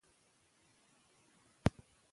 هغه به غاترې او توري هم لیږي.